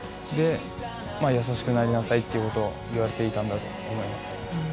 優しくなりなさいっていうことを言われていたんだと思います。